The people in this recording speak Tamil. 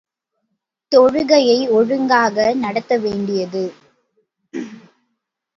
தொழுகையை ஒழுங்காக நடத்த வேண்டியது.